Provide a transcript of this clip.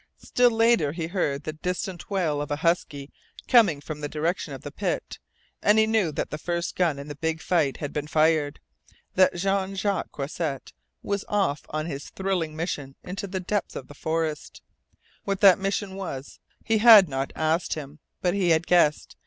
Still later he heard the distant wail of a husky coming from the direction of the pit, and he knew that the first gun in the big fight had been fired that Jean Jacques Croisset was off on his thrilling mission into the depths of the forests. What that mission was he had not asked him. But he had guessed.